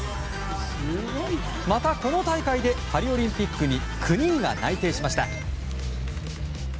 また、この大会でパリオリンピックに９人が内定しました。